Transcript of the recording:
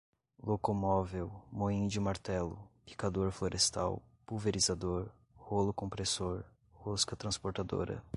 locomóvel, moinho de martelo, picador florestal, pulverizador, rolo compressor, rosca transportadora